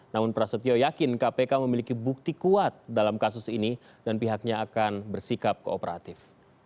namun prasetyo yakin kpk memiliki bukti kuat dalam kasus ini dan pihaknya akan bersikap kooperatif